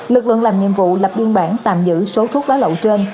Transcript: lực lượng làm nhiệm vụ lập biên bản tạm giữ số thuốc lá lậu trên